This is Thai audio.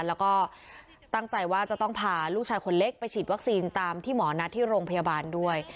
แล้วก็ตั้งใจว่าจะต้องพาลูกชายคนเล็กไปฉีดวัคซีนตามที่หมอนัดที่โรงพยาบาลด้วย